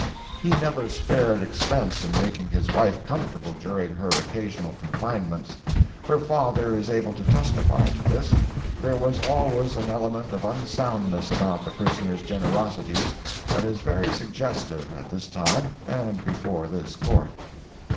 He never spared expense in making his wife comfortable during her occasional confinements. Her father is able to testify to this. There was always an element of unsoundness about the prisoner's generosities that is very suggestive at this time and before this court.